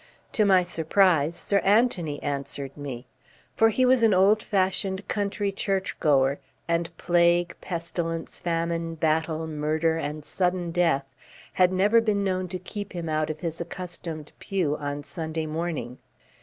To my surprise, Sir Anthony answered me; for he was an old fashioned country churchgoer and plague, pestilence, famine, battle, murder and sudden death had never been known to keep him out of his accustomed pew on Sunday morning.